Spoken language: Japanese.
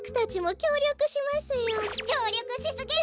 きょうりょくしすぎる！